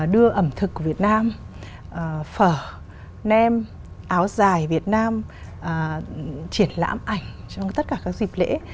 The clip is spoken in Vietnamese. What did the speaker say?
đưa ẩm thực của việt nam phở nem áo dài việt nam triển lãm ảnh trong tất cả các dịp lễ